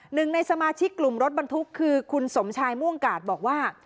หนึ่งในสมาชิกกลุ่มรถบรรทุกคือคุณสมชายม่วงกาดบอกว่า